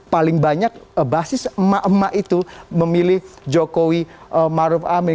paling banyak basis emak emak itu memilih jokowi maruf amin